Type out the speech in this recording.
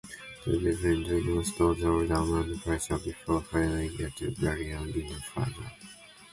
They defeated Notre Dame and Pittsburgh before falling to Virginia in the final.